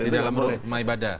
di dalam rumah ibadah